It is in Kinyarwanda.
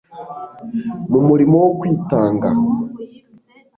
mu murimo wo kwitanga